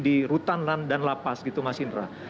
di rutan dan lapas gitu mas indra